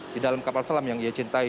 di dalam kapal selam yang ia cintai